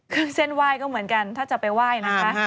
เครื่องเส้นไหว้ก็เหมือนกันถ้าจะไปไหว้นะคะ